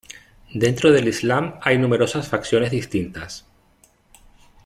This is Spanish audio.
Dentro del islam hay numerosas facciones distintas.